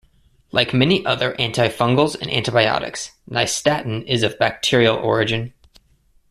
Like many other antifungals and antibiotics, nystatin is of bacterial origin.